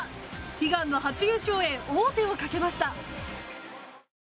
悲願の初優勝へ王手をかけました。